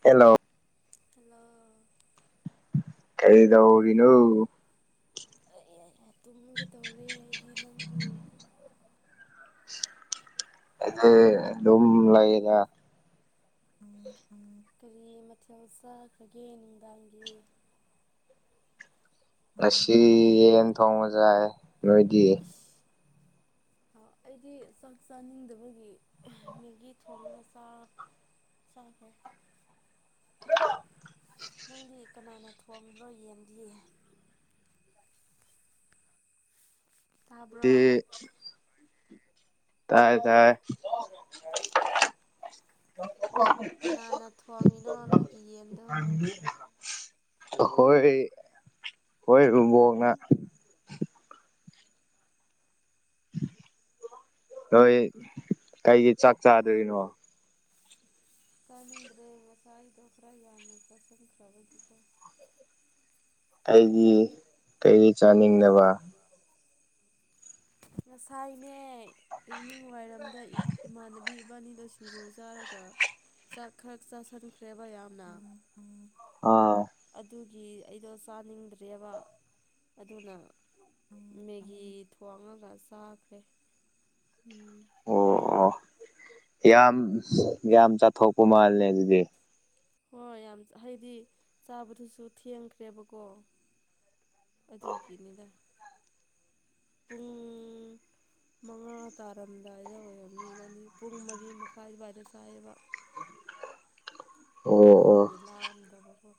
Hello hello hello ꯀꯩꯗꯧꯔꯤꯅꯣ ꯑꯩꯌꯦꯌꯦ ꯇꯨꯝꯒꯦ ꯇꯧꯔꯦ ꯑꯩꯗꯤ ꯅꯪꯗꯤ ꯑꯩꯗꯤ ꯑꯗꯨꯝ ꯂꯩꯗ ꯀꯔꯤ ꯃꯊꯦꯜ ꯆꯥꯈ꯭ꯔꯒꯦ ꯅꯨꯡꯗꯥꯡꯒꯤ ꯉꯁꯤ ꯌꯦꯟ ꯊꯣꯡꯕ ꯖꯥꯏ ꯅꯣꯏꯗꯤ ꯑ ꯑꯩꯗꯤ ꯆꯥꯛ ꯆꯥꯅꯤꯡꯗꯕꯒꯤ ꯑꯍ ꯃꯦꯒꯤ ꯊꯣꯡꯉꯒ ꯆꯥ ꯆꯥꯈ꯭ꯔꯦ [unintelligible] ꯅꯪꯗꯤ ꯀꯅꯥꯅ ꯊꯣꯡꯕ꯭ꯔꯣ ꯌꯦꯟꯗꯤ ꯇꯥꯕ꯭ꯔꯣ ꯇꯥꯏ ꯇꯥꯏ ꯇꯥꯏ [unintelligible] [inaudible] ꯀꯅꯥꯅ ꯊꯣꯡꯉꯤꯅꯣ ꯅꯣꯏꯒꯤ ꯌꯦꯟꯗꯣ ꯑꯍꯣꯏ ꯍꯣꯏ [inaudible] ꯅ ꯅꯣꯏ ꯀꯩꯒꯤ ꯆꯥꯛ ꯆꯥꯗ꯭ꯔꯤꯅꯣ ꯆꯥꯅꯤꯡꯗ꯭ꯔꯦ ꯉꯁꯥꯏꯗꯣ ꯈꯔ ꯌꯥꯝꯅ ꯆꯥꯁꯤꯟꯈ꯭ꯔꯕꯒꯤꯀꯣ ꯑꯩꯒꯤ ꯀꯩ ꯆꯥꯅꯤꯡꯗꯕ ꯉꯁꯥꯏꯅꯦ ꯏꯚꯅꯤꯡ ꯋꯥꯏꯔꯝꯗ ꯏ ꯏꯃꯥꯟꯅꯕꯤ ꯏꯕꯥꯅꯤꯗꯣ ꯁꯤꯡꯖꯨ ꯆꯥꯔꯒ ꯆꯥꯛ ꯈꯔ ꯆꯥꯁꯤꯟꯈ꯭ꯔꯦꯕ ꯌꯥꯝꯅ ꯑꯥ ꯑꯗꯨꯒꯤ ꯑꯩꯗꯣ ꯆꯥꯅꯤꯡꯗ꯭ꯔꯦꯕ ꯑꯗꯨꯅ ꯃꯦꯒꯤ ꯊꯣꯡꯉꯒ ꯆꯥꯈ꯭ꯔꯦ ꯎꯝ ꯑꯣ ꯌꯦꯔꯨꯝꯒ ꯑꯣ ꯌꯥꯝ ꯌꯥꯝ ꯆꯥꯊꯣꯛꯄ ꯃꯥꯜꯂꯦ ꯑꯗꯨꯗꯤ ꯍꯣꯏ ꯌꯥꯝ ꯍꯥꯏꯗꯤ ꯆꯥꯕꯗꯨꯁꯨ ꯊꯦꯡꯈ꯭ꯔꯦꯕꯀꯣ ꯑꯗꯨꯒꯤꯅꯤꯗ ꯄꯨꯡ ꯃꯉꯥ ꯇꯥꯔꯝꯗꯥꯏꯗ ꯑꯣꯏꯔꯝꯅꯤ ꯏꯕꯥꯅꯤ ꯄꯨꯡ ꯃꯔꯤ ꯃꯈꯥꯏ ꯑꯗꯨꯋꯥꯏꯗ ꯆꯥꯏꯑ‌ꯦꯕ ꯑꯣ ꯑꯣ ꯑꯗꯨꯒꯤ ꯂꯥꯝꯗꯕꯀꯣ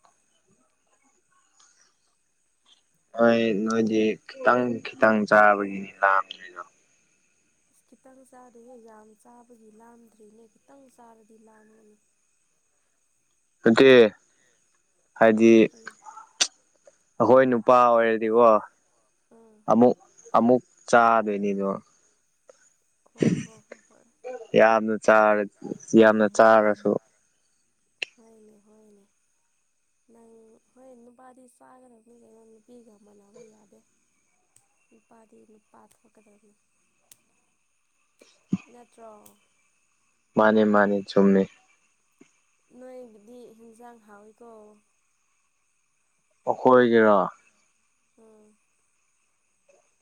ꯍꯣꯏ ꯅꯣꯏꯗꯤ ꯈꯤꯇꯪ ꯈꯤꯇꯪ ꯆꯥꯕꯒꯤ ꯂꯥꯝꯗ꯭ꯔꯤ꯫ ꯏꯁ ꯈꯤꯇꯪ ꯆꯥꯗꯦꯍꯦ ꯌꯥꯝ ꯆꯥꯕꯒꯤ ꯂꯥꯗ꯭ꯔꯤꯅꯦ ꯈꯤꯇꯪ ꯆꯥꯔꯗꯤ ꯂꯥꯝꯒꯅꯤ꯫ [inaudible] ꯅꯠꯇꯦ ꯍꯥꯏꯗꯤ ꯀꯔꯤ ꯑꯈꯣꯏ ꯅꯨꯞ꯫ ꯄꯥ ꯑꯣꯏꯔꯗꯤꯀꯣ ꯑꯥ ꯑꯃꯨꯛ ꯑꯃꯨꯛ ꯆꯥꯗꯣꯏꯅꯤꯗꯣ꯫ ꯍꯣ ꯍꯣ ꯍꯣ ꯍꯣꯏ ꯌꯥꯝꯅ ꯆꯥꯔ ꯌꯥꯝꯅ ꯆꯥꯔꯁꯨ꯫ [unintelligible] ꯍꯣꯏꯅꯦ ꯍꯣꯏꯅꯦ꯫ ꯅꯪ ꯍꯣꯏ ꯅꯨꯄꯥꯗꯤ ꯆꯥꯒꯗꯕꯅꯤ ꯀꯩꯅꯣ ꯅꯨꯄꯤꯒ ꯃꯥꯟꯅꯕ ꯌꯥꯗꯦ꯫ ꯅꯨꯄꯥꯗꯤ ꯅꯨꯄꯥ ꯊꯣꯛꯀꯗꯝꯅꯤ꯫ ꯅꯠꯇ꯭ꯔꯣ꯫ ꯃꯥꯅꯦ ꯃꯥꯅꯦ ꯆꯨꯝꯃꯤ꯫ ꯅꯣꯏꯒꯤꯗꯤ ꯍꯤꯟꯖꯥꯡ ꯍꯥꯎꯋꯤꯀꯣ꯫ ꯑꯈꯣꯏꯒꯤꯔꯣ ꯎꯝ꯫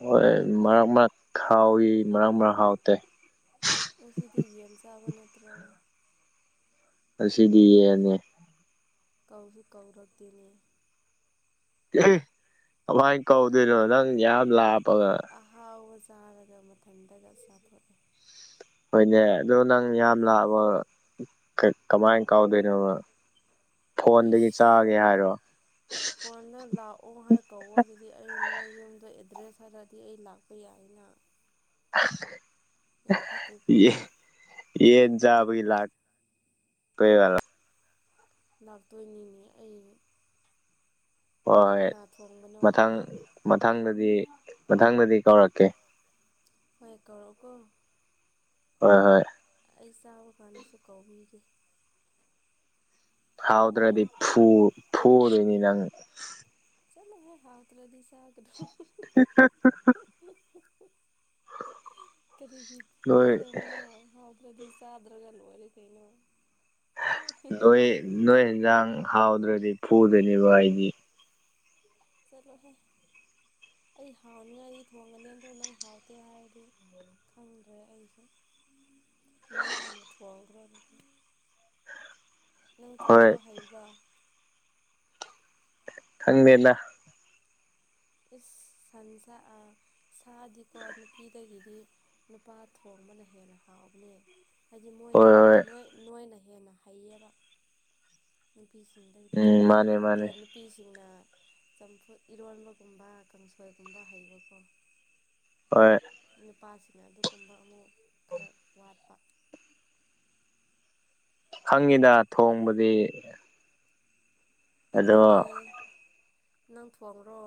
ꯍꯣꯏ ꯃꯔꯛ ꯃꯔꯛ ꯍꯥꯎꯋꯤ ꯃꯔꯛ ꯃꯔꯛ ꯍꯥꯎꯇꯦ꯫ ꯉꯁꯤꯗꯤ ꯌꯦꯟ ꯆꯥꯕ ꯅꯠꯇ꯭ꯔꯣ꯫ ꯉꯁꯤꯗꯤ ꯌ‌ꯦꯟꯅ‌ꯦ꯫ ꯀꯧꯁꯨ ꯀꯧꯔꯛꯗ‌ꯦꯅꯦ꯫ ꯎꯝꯍꯨꯝ ꯀꯃꯥꯏꯅ ꯀꯧꯗꯣꯏꯅꯣ ꯅꯪ ꯌꯥꯝ ꯂꯥꯞꯄꯒ꯫ ꯑꯍꯥꯎꯕ ꯆꯥꯔꯒ ꯃꯊꯟꯇꯒ ꯆꯥꯊꯣꯛꯑꯦ꯫ ꯍꯣꯏꯅꯦ ꯑꯗꯣ ꯅꯪ ꯌꯥꯝ ꯂꯥꯛꯑꯕ꯫ ꯀꯃꯥꯏꯅ ꯀꯥꯎꯗꯣꯏꯅꯣꯕ ꯐꯣꯟꯗꯒꯤ ꯆꯥꯒꯦ ꯍꯥꯏꯔꯣ꯫ ꯐꯣꯟꯅ ꯂꯥꯛꯑꯣ ꯍꯥꯏ ꯀꯧꯕ ꯑꯗꯨꯗꯤ ꯑꯩ ꯅꯣꯏ ꯌꯨꯝꯗ꯫ ꯑꯦꯗ꯭ꯔꯦꯁ ꯍꯥꯏꯔꯗꯤ ꯑꯩ ꯂꯥꯛꯄ ꯌꯥꯏꯅ꯫ ꯌꯥꯝ ꯐꯠꯇꯦꯀꯣ ꯌꯦ꯫ ꯌꯦꯟꯆꯥꯕꯒꯤ ꯂꯥꯛ ꯄꯌꯥꯔꫭꯏ꯫ ꯂꯥꯛꯇꯣꯏꯅꯤꯅꯦ ꯑꯩ꯫ ꯍꯣꯏ ꯀꯅꯥ ꯊꯣꯡꯕꯅꯣ ꯃꯊꯪ ꯃꯊꯪꯗꯗꯤ꯫ ꯃꯊꯪꯗꯗꯤ ꯀꯧꯔꯛꯀꯦ ꯍꯣꯏ ꯀꯧꯔꯛꯑꫭꯀꫭ꯫ ꯍꯣꯏ ꯍꯣꯏ꯫ ꯑꯩ ꯆꯥꯕ ꯀꯥꯟꯗꯁꯨ ꯀꯧꯕꯤꯒꯦ꯫ ꯍꯥꯎꯗ꯭ꯔꯗꯤ ꯐꯨ ꯐꯨꯗꯣꯏꯅꯤ ꯅꯪ꯫ ꯆꯠꯂꯨꯍꯦ ꯍꯥꯎ ꯇ꯭ꯔꯗꯤ ꯆꯥꯗꯗꯨꯝ꯫ [unintelligible] ꯀꯔꯤꯒꯤ ꯅꯣꯏ ꯐꯨꯒꯗꯝꯅꯣ ꯍꯥꯎꯗ꯭ꯔꯗꯤ ꯆꯥꯗ꯭ꯔꯒ ꯂꫭꯏꯔꯦ ꯀꯩꯅꯣ꯫ ꯅꯣꯏ ꯅꯣꯏ ꯌꯦꯟꯖꯥꯡ ꯍꯥꯎꯗ꯭ꯔꯗꯤ ꯐꯨꯗꯣꯏꯅꯦꯀꫭ ꯑꯩꯗꯤ꯫ ꯆꯠꯂꯣꯍꯦ ꯑꯩ ꯍꯥꯎꯅꯤꯉꯥꯏꯗꯤ ꯊꯣꯡꯒꯅꯤ ꯑꯗꯣ ꯅꯪ ꯍꯥꯎꯇꯦ ꯍꯥꯏꯔꯗꯤ꯫ ꯈꯪꯗ꯭ꯔꯦ ꯑꯩꯁꯨ ꯅꯪ ꯑꯣꯏꯅ ꯊꯣꯡꯈ꯭ꯔꯣ ꯑꯗꯨ꯫ ꯅꯪ ꯍꯣꯏ ꯊꫭꯡꯕ ꯍꯩꯕ꯭ꯔꯥ꯫ ꯈꯪꯗ‌ꯦꯗ꯫ ꯏꯁ ꯁꯟꯁ ꯑꯏ ꯁꯥꯗꯤꯀꯣ ꯅꯨꯄꯤꯗꯒꯤꯗꯤ꯫ ꯅꯨꯄꯥ ꯊꯣꯡꯕꯅ ꯍꯦꯟꯅ ꯍꯥꯎꯕꯅꯦ꯫ ꯍꯥꯏꯗꯤ ꯍꯣꯏ ꯍꯣꯏ ꯃꯣꯏꯅꯣꯏ ꯅꯣꯏꯅ ꯍꯦꯟꯅ ꯍꯩꯌꯦꯕ꯫ ꯅꯨꯄꯤꯁꯤꯡꯗꯒꯤꯗꯤꯀꯣ ꯎꯝ ꯃꯥꯅꯦ ꯃꯥꯅꯦ ꯑꯗꯨꯒ ꯅꯨꯄꯤꯁꯤꯡꯅ꯫ ꯆꯝꯐꯨꯠ ꯏꯔꯣꯟꯕꯒꯨꯝꯕ ꯀꯥꯡꯁꯣꯏꯒꯨꯝꯕ ꯍꯩꯕꯀꯣ ꯑꯣꯏ ꯅꯨꯄꯥꯁꯤꯅ ꯑꯗꯨꯒꯨꯝꯕ ꯑꯃꯨꯛ ꯈꯔ ꯋꯥꯠꯄ ꯈꯪꯉꯤꯗ ꯊꯣꯡꯕꯗꯤ ꯑꯗꯨꯅꯦ ꯑꯗꯣ ꯅꯪ ꯊꯣꯡꯉ꯭ꯔꯣ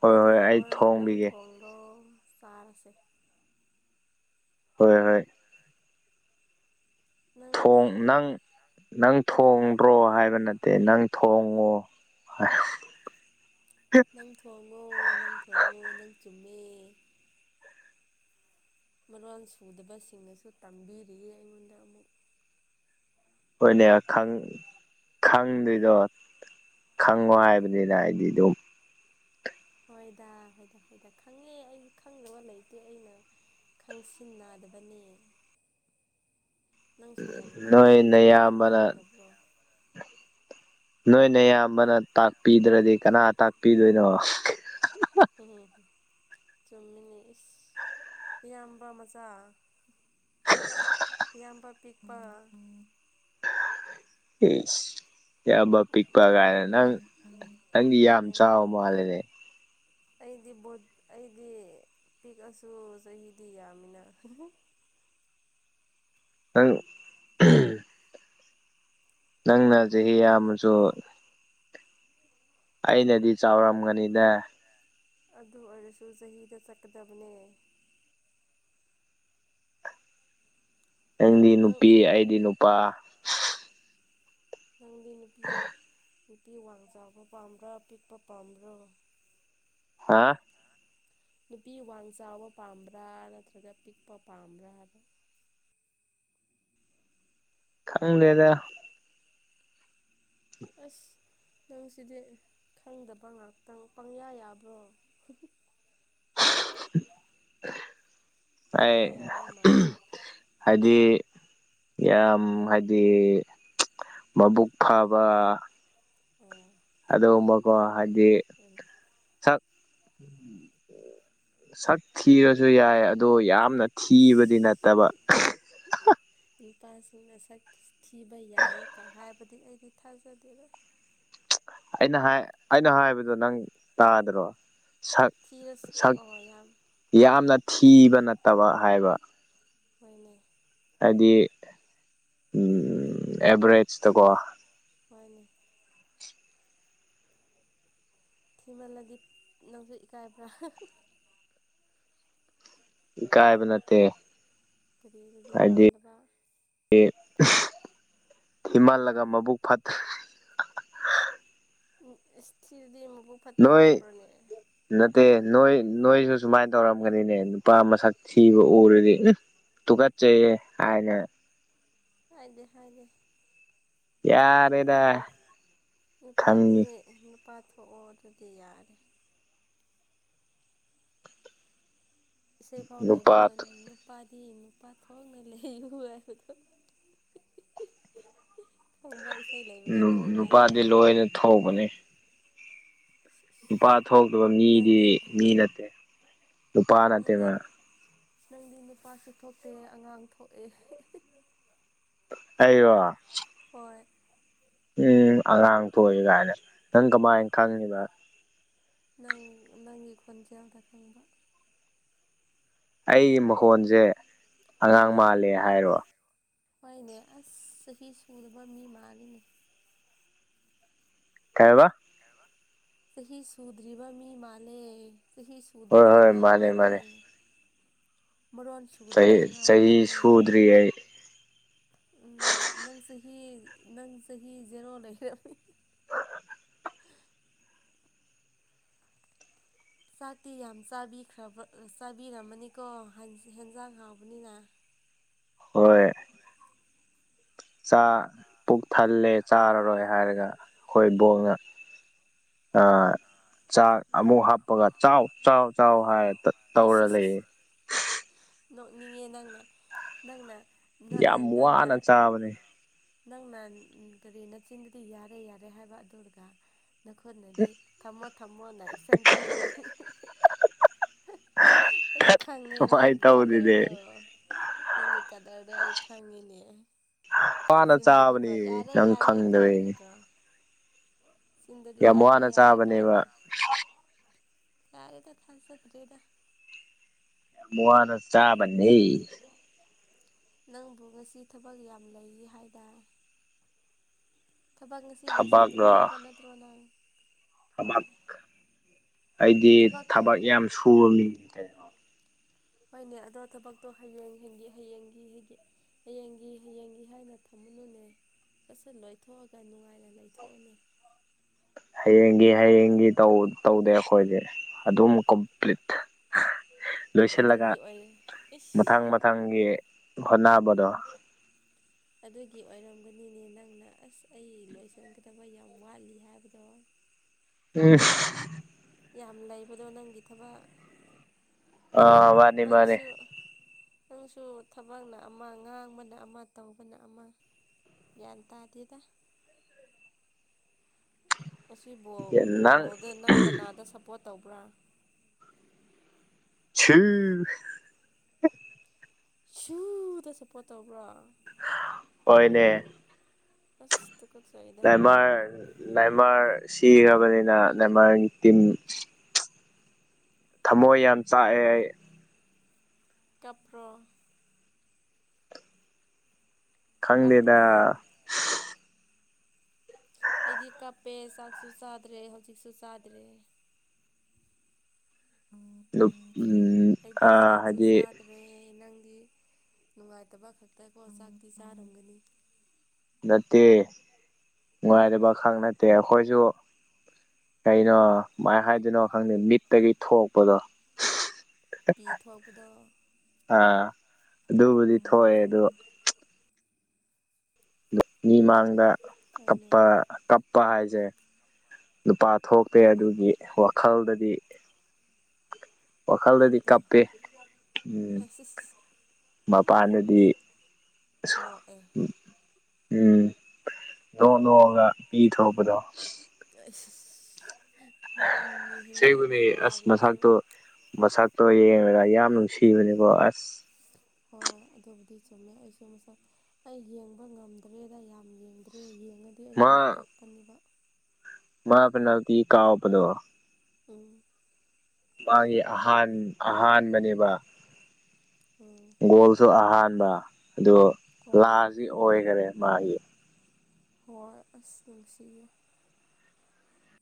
ꯍꯣꯏ ꯍꯣꯏ ꯑꯩ ꯂꯥꯛꯑꯣ ꯅꯪ ꯊꯣꯡꯕꯤꯒꯦ ꯊꯣꯡꯔꯣ ꯆꯥꯔꯁꯦ ꯍꯣꯏ ꯍꯣꯏ ꯅꯪꯗꯤ ꯊꯣꯡ ꯅꯪ ꯅꯪ ꯊꯣꯡꯗ꯭ꯔꯣ ꯍꯥꯏꯕ ꯅꯠꯇꯦ ꯅꯪ ꯊꯣꯡꯉꯣ ꯍꯥꯏ ꯅꯪ ꯊꯣꯡꯉꯣ ꯅꯪ ꯊꯣꯡꯉꯣ ꯅꯪ ꯆꯨꯝꯃꯦ ꯃꯔꯣꯜ ꯁꯨꯗꯕꯁꯤꯡꯅꯁꯨ ꯇꯝꯕꯤꯔꯤꯌꯦ ꯑꯩꯉꯣꯟꯗ ꯑꯃꯨꯛ ꯍꯣꯏꯅꯦ ꯈꯪ ꯈꯪꯗꯣꯏꯗꯣ ꯈꯪꯉꯣ ꯍꯥꯏꯕꯅꯤꯅ ꯑꯩꯗꯤ ꯑꯗꯨꯝ ꯍꯣꯏꯗꯥ ꯍꯣꯏꯗ ꯍꯣꯏꯗ ꯈꯪꯉꯦ ꯑꯩꯗꯤ ꯈꯪꯗꯕ ꯂꯩꯇꯦ ꯑꯩꯅ ꯈꯪꯁꯤꯟꯅꯗꯕꯅꯤ ꯅꯪꯁꯨ ꯌꯥꯝ ꯄꯥꯡꯉꯦ ꯅꯣꯏ ꯑꯗꯨꯒꯨꯝꯕꯁꯨ ꯅꯌꯥꯝꯕꯅ ꯈꯪꯗꯕ꯭ꯔꯣ ꯅꯣꯏ ꯅꯑꯌꯥꯝꯕꯅ ꯇꯥꯛꯄꯤꯗ꯭ꯔꯗꯤ ꯀꯅꯥ ꯇꯥꯛꯄꯤꯗꯣꯏꯅꯣ [unintelligible] ꯆꯨꯝꯃꯤꯅꯤ ꯏꯁ ꯏꯌꯥꯝꯕ ꯃꯆꯥ [unintelligible] ꯏꯌꯥꯝꯕ ꯄꯤꯛꯄ ꯏꯁ ꯌꯥꯝꯕ ꯄꯤꯛꯄ ꯀꯥꯏꯅ ꯅꯪ ꯅꯪꯗꯤ ꯌꯥꯝ ꯃꯥꯅꯦ ꯆꯥꯎꯕ ꯃꯥꯜꯂꯦꯅꯦ ꯑꯩꯗꯤ ꯕꯨꯠ ꯑꯩꯗꯤ ꯄꯤꯛꯑꯁꯨ ꯆꯍꯤꯗꯤ ꯌꯥꯝꯃꯤꯅ ꯑꯪ ꯅꯪꯅ ꯆꯍꯤ ꯌꯥꯝꯃꯁꯨ ꯑꯩꯅꯗꯤ ꯆꯥꯎꯔꯝꯒꯅꯤꯗ ꯑꯗꯨ ꯑꯣꯏꯔꯁꯨ ꯆꯍꯤꯗ ꯆꯠꯀꯗꯕꯅꯦ ꯅꯪꯗꯤ ꯅꯪ ꯅꯨꯄꯤ ꯑꯩꯗꯤ ꯅꯨꯄꯥ ꯅꯪꯗꯤ ꯅꯨꯄꯤ ꯅꯨꯄꯤ ꯋꯥꯡ ꯆꯥꯎꯕ ꯄꯥꯝꯕ꯭ꯔꯥ ꯄꯤꯛꯄ ꯄꯥꯝꯕ꯭ꯔꯣ ꯍꯥ ꯅꯨꯄꯤ ꯋꯥꯡ ꯆꯥꯎꯕ ꯄꯥꯝꯕ꯭ꯔꯥ ꯅꯠꯇ꯭ꯔꯒ ꯄꯤꯛꯄ ꯄꯥꯝꯕ꯭ꯔꯥ ꯍꯥꯏꯕ ꯈꯪꯗꯦꯗ ꯑꯁ ꯅꯪꯁꯤꯗꯤ ꯈꯪꯗꯕ ꯉꯥꯛꯇꯪ ꯄꯪꯌꯥ ꯌꯥꯕ꯭ꯔꯣ ꯑꯩ ꯄꯪꯌꯥ ꯌꯥꯕ ꯃꯥꯜꯂꯦ ꯍꯥꯏꯗꯤ ꯌꯥꯝ ꯍꯥꯏꯗꯤ ꯃꯕꯨꯛ ꯐꯕ ꯑꯣ ꯑꯗꯨꯃꯀꯣ ꯍꯥꯏꯗꯤ ꯎꯝ ꯁꯛ ꯁꯛ ꯊꯤꯔꯁꯨ ꯌꯥꯏ ꯑꯗꯣ ꯌꯥꯝꯅ ꯏꯁ ꯊꯤꯕꯗꯤ ꯅꯠꯇꯕ [inaudible] ꯅꯨꯄꯥꯁꯤꯡꯅ ꯁꯛ ꯊꯤꯕ ꯌꯥꯏꯌꯦ ꯀ ꯍꯥꯏꯕꯗꯤ ꯑꯩꯗꯤ ꯊꯥꯖꯗꯦꯗ ꯑꯩꯅ ꯍꯥꯏ ꯑꯩꯅ ꯍꯥꯏꯕꯗꯣ ꯅꯪ ꯇꯥꯗ꯭ꯔꯣ ꯁꯛ ꯊꯤꯔꯁꯨ ꯁꯛ ꯑꯣ ꯌꯥꯝ ꯌꯥꯝꯅ ꯊꯤꯕ ꯅꯠꯇꯕ ꯍꯥꯏꯕ ꯃꯩꯅꯦ ꯍꯥꯏꯗꯤ ꯎꯝ ꯑꯦꯚꯔꯦꯁꯇꯀꯣ ꯃꯥꯅꯦ ꯊꯤꯃꯜꯂꯗꯤ ꯅꯪꯁꯨ ꯏꯀꯥꯏꯕ꯭ꯔꯥ ꯍꯥꯍꯥ ꯏꯀꯥꯏꯕꯅꯠꯇꯦ ꯀꯔꯤ ꯑꯗꯨꯗꯤ ꯄꯥꯝꯗꯕ [inaudible] ꯊꯤꯃꯜꯂꯒ ꯃꯕꯨꯛ ꯐꯠꯇ ꯎꯝ ꯏꯁ ꯊꯤꯔꯗꯤ ꯃꯕꯨꯛ ꯐꯠꯇꯦ ꯅꯣꯏ ꯍꯥꯏꯕ꯭ꯔꯣꯅꯦ ꯅꯠꯇꯦ ꯅꯣꯏ ꯅꯣꯏꯁꯨ ꯁꯨꯃꯥꯏꯅ ꯇꯧꯔꯝꯒꯅꯤꯅꯦ ꯅꯨꯄꯥ ꯃꯁꯛ ꯊꯤꯕ ꯎꯔꯗꯤ ꯇꯨꯒꯠꯆꯩꯍꯦ ꯍꯥꯏꯅ ꯍꯥꯏꯗꯦ ꯍꯥꯏꯗꯦ ꯌꯥꯔꯦꯗ ꯅꯨꯄꯥꯗꯤ ꯈꯪꯉꯤ ꯅꯨꯄꯥ ꯊꯣꯛꯑꯣ ꯑꯗꯨꯗꯤ ꯌꯥꯔꯦ ꯏꯁꯩ ꯐꯥꯎ ꯅꯨꯄꯥ ꯂꯩꯕꯗꯣ ꯅꯨꯞ ꯅꯨꯄꯥꯗꯤ ꯅꯨꯄꯥ ꯊꯣꯛꯅ ꯂꯩꯌꯨ ꯍꯥꯏꯕꯗꯣ ꯈꯪꯕ꯭ꯔꯥ ꯏꯁꯩ ꯂꯩꯕꯗꯣ ꯈꯪꯕ꯭ꯔꯥ ꯅꯨꯄꯥꯗꯤ ꯂꯣꯏꯅ ꯊꯧꯕꯅꯤ ꯅꯨꯄꯥ ꯊꯣꯛꯇꯕ ꯃꯤꯗꯤ ꯅꯪꯗꯤ ꯃꯤ ꯅꯠꯇꯦ ꯅꯨꯄꯥ ꯅꯪꯗꯤ ꯅꯠꯇꯦꯕ ꯅꯪꯗꯤ ꯅꯨꯄꯥꯁꯨ ꯊꯣꯛꯇꯦ ꯑꯉꯥꯡ ꯊꯣꯛꯑꯦ ꯑꯩꯔꯣ ꯍꯣꯏ [inaudible] ꯑꯉꯥꯡ ꯊꯣꯛꯑꯦ ꯀꯥꯏꯅ ꯅꯪ ꯀꯃꯥꯏ ꯈꯪꯉꯤꯕ ꯅꯪ ꯅꯪꯒꯤ ꯈꯣꯟꯖꯦꯜꯗ ꯈꯪꯕ ꯑꯩꯒꯤ ꯃꯈꯣꯟꯖꯦ ꯑꯉꯥꯡ ꯍꯣꯏ ꯃꯥꯜꯂꯦ ꯍꯥꯏꯔꯣ ꯍꯣꯏꯅꯦ ꯑꯁ ꯆꯍꯤ ꯁꯨꯗꯕ ꯃꯤ ꯃꯥꯜꯂꯤꯅꯦ ꯀꯩꯍꯥꯢꯕ ꯀꯩꯍꯥꯢꯕ ꯆꯍꯤ ꯁꯨꯗ꯭ꯔꯤꯕ ꯃꯤ ꯃꯥꯜꯂꯦ ꯆꯍꯤ ꯍꯣꯏ ꯎꯗꯕ ꯍꯣꯏ ꯑꯉꯥꯡ ꯃꯥꯅꯦ ꯃꯥꯜꯂꯦ ꯃꯥꯅꯦ [inaudible] ꯆꯍꯤ ꯃꯔꯣꯟꯁꯨꯗꯕ ꯑꯉꯥꯡ ꯆꯍꯤ ꯃꯥꯜꯂꯦ ꯁꯨꯗ꯭ꯔꯤ ꯑꯩ [inaudible] ꯎꯝ ꯅꯪ ꯆꯍꯤ ꯅꯪ ꯆꯍꯤ ꯖꯦꯔꯣ ꯂꯩꯔꯝꯃꯤ ꯆꯥꯛꯇꯤ ꯌꯥꯝ ꯆꯥꯕꯤꯈ꯭ꯔꯕ ꯆꯥꯕꯤꯔꯝꯃꯅꯤꯀꯣ ꯍꯦꯟꯖꯥꯡ ꯍꯥꯎꯕꯅꯤꯅ ꯍꯣꯏ ꯆꯥ ꯄꯨꯛ ꯊꯜꯂꯦ ꯆꯥꯔꯔꯣꯏ ꯍꯥꯏꯔꯒ ꯑꯩꯈꯣꯏ ꯕꯣꯛꯅ ꯑꯥ ꯆꯥꯛ ꯑꯃꯨꯛ ꯍꯥꯞꯄꯒ ꯆꯥꯎ ꯆꯥꯎ ꯆꯥꯎ ꯍꯥꯏꯔ ꯇꯠ ꯏꯁ ꯏꯁ ꯇꯧꯔ ꯏꯁ ꯂꯩꯌꯦ [unintelligible] ꯅꯣꯛꯅꯤꯡꯉꯦ ꯅꯪꯅ ꯅꯪꯅ ꯅꯪ ꯑꯥ ꯌꯥꯝ ꯅꯪꯅ ꯋꯥꯅ ꯆꯥꯕꯅꯦ ꯅꯪꯅ ꯀꯔꯤ ꯅꯆꯤꯟꯗꯗꯤ ꯌꯥꯔꯦ ꯌꯥꯔꯦ ꯍꯥꯏꯕ ꯑꯗꯨꯔꯒ ꯅꯈꯨꯠꯅꯗꯤ ꯊꯝꯃꯣ ꯊꯝꯃꯣꯅ ꯑꯦꯛꯁꯟ ꯇꯧꯔꯝꯒꯅꯤ [unintelligible] ꯑꯩ ꯈꯪꯉꯦ ꯀꯃꯥꯏꯅ ꯅꯪꯒꯤ ꯇꯧꯗꯗꯤ ꯀꯗꯔꯗꯣ ꯅꯪꯒꯤ ꯀꯗꯔꯗꯣ ꯑꯩ ꯈꯪꯉꯤꯅꯦ ꯋꯥꯅ ꯆꯤꯟꯗꯗꯤꯀꯣ ꯆꯥꯕꯅꯤ ꯌꯥꯔꯦ ꯅꯪ ꯌꯥꯔꯦ ꯀꯥꯏꯅ ꯈꯪꯗꯕꯩꯅꯤ ꯀꯣ ꯌꯥꯝ ꯋꯥꯅ ꯌꯥꯔꯦ ꯆꯥꯕꯅꯦꯕ ꯌꯥꯔꯦꯗꯥ ꯊꯥꯖꯗꯔꯦꯗꯥ [inaudible] ꯆꯥꯕꯅꯦ ꯅꯪꯕꯨ ꯉꯁꯤ ꯊꯕꯛ ꯌꯥꯝ ꯂꯩꯌꯦ ꯍꯥꯏꯗꯥꯏ ꯊꯕꯛ ꯉꯁꯤ ꯂꯣꯏꯁꯤꯟꯒꯅꯤ ꯊꯕꯛꯔꯣ ꯍꯥꯏꯕ ꯅꯠꯇ꯭ꯔꯣ ꯅꯪ ꯍꯣꯏ ꯊꯕꯛ ꯑꯩꯗꯤ ꯊꯕꯛ ꯌꯥꯝ ꯁꯨꯕ ꯃꯤꯅꯤ ꯀꯩꯅꯣ ꯍꯣꯏꯅꯦ ꯑꯗꯣ ꯊꯕꯛꯇꯣ ꯍꯌꯦꯡ ꯍꯦꯟꯒꯤ ꯍꯌꯦꯡꯒꯤ ꯍꯦꯒꯤ ꯍꯌꯦꯡꯒꯤ ꯍꯌꯦꯡꯒꯤ ꯍꯥꯏꯅ ꯊꯝꯃꯨꯅꯨꯅꯦ ꯁꯠ ꯁꯠ ꯂꯣꯏꯊꯣꯛꯑꯒ ꯅꯨꯡꯉꯥꯏꯅ ꯂꯩꯊꯣꯛꯎꯅꯦ ꯍꯌꯦꯡꯒꯤ ꯍꯌꯦꯡꯒꯤ ꯇꯧ ꯇꯧꯗꯦ ꯑꯈꯣꯏꯗꯤ ꯑꯗꯨꯝ ꯀꯝꯄ꯭ꯂꯤꯠ ꯂꯣꯏꯁꯤꯜꯂꯒ ꯑꯗꯨꯒꯤ ꯑꯣꯏꯔꯦ ꯏꯁ ꯃꯊꯪ ꯃꯊꯪꯒꯤ ꯍꯣꯠꯅꯕꯗꯣ ꯑꯗꯨꯒꯤ ꯑꯣꯏꯔꯝꯒꯅꯤꯅꯦ ꯅꯪꯅ ꯑꯁ ꯑꯩ ꯂꯣꯏꯁꯤꯟꯒꯗꯕ ꯌꯥꯝ ꯋꯥꯠꯂꯤ ꯍꯥꯏꯕꯗꯣ ꯎꯝ ꯌꯥꯝ ꯂꯩꯕꯗꯣ ꯅꯪꯒꯤ ꯊꯕꯛ ꯑꯥ ꯃꯥꯅꯤ ꯃꯥꯅꯤ ꯅꯪꯁꯨ ꯅꯪꯁꯨ ꯊꯕꯛꯅ ꯑꯃ ꯉꯥꯡꯕꯅ ꯑꯃ ꯇꯧꯕꯅ ꯑꯃ ꯒ꯭ꯌꯥꯟ ꯇꯥꯗꯦꯗ [inaudible] ꯑꯁꯤꯕꯨ ꯅꯪ ꯕꯣꯜꯗ ꯅꯪ ꯀꯅꯥꯗ ꯁꯞꯄꯣꯔꯠ ꯇꯧꯕ꯭ꯔꯥ ꯁꯨ ꯁꯨ ꯗ ꯁꯞꯄꯣꯔꯠ ꯇꯧꯕ꯭ꯔꯥ ꯍꯣꯏꯅꯦ ꯢꯁ ꯇꯨꯀꯠꯆꯩ ꯅꯦꯃꯥꯔ ꯅꯦꯃꯥꯔ ꯁꯤꯒ꯭ꯔꯕꯅꯤꯅ ꯅꯦꯃꯥꯔꯒꯤ ꯇꯤꯝ ꯊꯝꯃꯣꯏ ꯌꯥꯝ ꯆꯥꯛꯑꯦ ꯑꯩ ꯀꯞꯄ꯭ꯔꯣ ꯈꯪꯗꯦꯗ ꯀꯞꯄ꯭ꯔꯣ ꯑꯩꯗꯤ ꯀꯞꯄꯦ ꯆꯥꯛꯁꯨ ꯆꯥꯗ꯭ꯔꯦ ꯍꯧꯖꯤꯛꯁꯨ ꯆꯥꯗ꯭ꯔꯦ ꯅꯨꯞ ꯎꯝ ꯑ ꯍꯥꯏꯗꯤ ꯔꯦ ꯅꯪꯗꯤ ꯅꯨꯡꯉꯥꯏꯇꯕ ꯈꯛꯇꯀꯣ ꯆꯥꯛꯇꯤ ꯆꯥꯔꯝꯒꯅꯤ ꯅꯠꯇꯦ ꯅꯨꯡꯉꯥꯏꯇꯕꯈꯛ ꯅꯠꯇꯦ ꯑꯈꯣꯏꯖꯨ ꯀꯩꯅꯣ ꯀꯃꯥꯏ ꯍꯥꯏꯗꯨꯏꯅꯣ ꯈꯪꯗꯦ ꯃꯤꯠꯇꯒꯤ ꯊꯣꯛꯄꯗꯣ ꯄꯤ ꯊꯣꯛꯄꯗꯣ ꯑꯥ ꯑꯗꯨꯕꯨꯗꯤ ꯑꯣ ꯊꯣꯛꯑꯦ ꯑꯗꯨ ꯃꯤ ꯃꯥꯡꯗ ꯍꯣꯏꯅꯦ ꯀꯞꯄ ꯀꯞꯄ ꯍꯥꯏꯁꯦ ꯅꯨꯄꯥ ꯊꯣꯛꯇꯦ ꯍꯣꯏꯅꯦ ꯑꯗꯨꯒꯤ ꯋꯥꯈꯜꯗꯗꯤ ꯋꯥꯈꯜꯗꯗꯤ ꯀꯞꯄꯦ ꯎꯝ ꯁꯤꯁ ꯃꯄꯥꯟꯗꯗꯤ ꯢꯁ ꯅꯣꯛꯑꯦ ꯎꯝ ꯎꯝ ꯅꯣꯛ ꯅꯣꯛꯑꯒ ꯄꯤ ꯊꯣꯛꯂꯛꯄꯗꯣ [unintelligible] ꯅꯪꯒꯤ ꯑꯁꯦꯕꯅꯦ ꯑꯁ ꯋꯥꯔꯤꯁꯨ ꯃꯁꯛꯇꯣ ꯃꯁꯛ ꯇꯣ ꯌꯦꯡꯉꯒ ꯌꯥꯝ ꯅꯨꯡꯁꯤꯕꯅꯤꯀꯣ ꯑꯁ ꯍꯣꯏ ꯑꯗꯨꯕꯨꯗꯤ ꯆꯨꯝꯃꯦ ꯑꯩꯁꯨ ꯃꯁꯛ ꯑꯩ ꯌꯦꯡꯕ ꯉꯝꯗ꯭ꯔꯦꯗ ꯌꯥꯝ ꯌꯦꯡꯗ꯭ꯔꯦ ꯌꯦꯡꯉꯗꯤ ꯃꯥ ꯑꯩꯖꯨ ꯀꯞꯄꯅꯦꯕ ꯃꯥ ꯄꯅꯥꯜꯇꯤ ꯀꯥꯞꯄꯗꯣ ꯎꯝ ꯃꯥꯒꯤ ꯑꯍꯥꯟ ꯑꯍꯥꯟꯕꯅꯦꯕ ꯎꯝ ꯒꯣꯜꯁꯨ ꯑꯍꯥꯟꯕ ꯑꯗꯨ ꯍꯣꯏꯅꯦ ꯂꯥꯁꯇꯤ ꯑꯣꯏꯈꯔꯦ ꯃꯥꯒꯤ ꯍꯣꯏ ꯑꯁ ꯅꯨꯡꯁꯤꯌꯦ